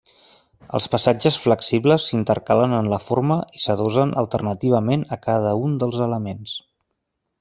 Els passatges flexibles s'intercalen en la forma i s'adossen alternativament a cada un dels elements.